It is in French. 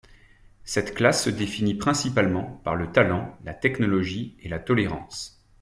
Cette classe se définit principalement par le Talent, la Technologie et la Tolérance.